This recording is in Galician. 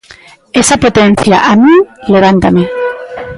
Esa potencia a min levántame.